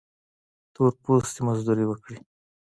تور پوستي مزدوري وکړي.